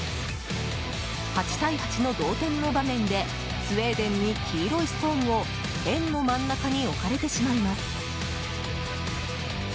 ８対８の同点の場面でスウェーデンに黄色いストーンを円の真ん中に置かれてしまいます。